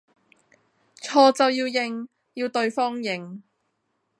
錯就要認，要對方認